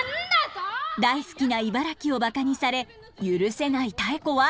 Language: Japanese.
大好きな茨城をバカにされ許せないタエコは。